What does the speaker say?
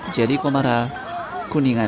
jerry komara kuningan